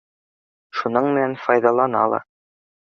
Шуның менән файҙалана ла.